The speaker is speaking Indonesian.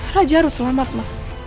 raja harus selamat ma